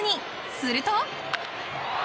すると。